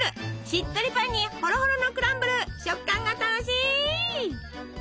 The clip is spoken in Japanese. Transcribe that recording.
しっとりパンにホロホロのクランブル食感が楽しい！